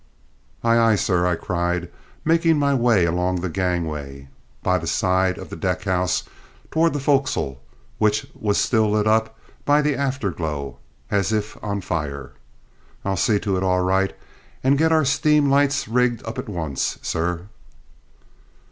"Aye, aye, sir," I cried, making my way along the gangway by the side of the deckhouse towards the fo'c's'le, which was still lit up by the afterglow as if on fire. "I'll see to it all right, and get our steam lights rigged up at once, sir."